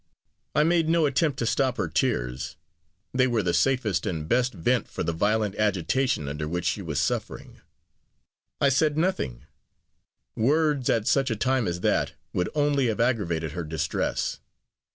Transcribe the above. I made no attempt to stop her tears they were the safest and best vent for the violent agitation under which she was suffering. I said nothing; words, at such a ti me as that, would only have aggravated her distress.